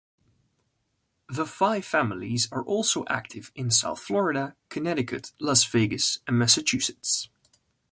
The Five Families are also active in South Florida, Connecticut, Las Vegas, and Massachusetts.